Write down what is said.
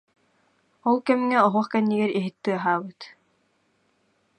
Ол кэмҥэ оһох кэннигэр иһит тыаһаабыт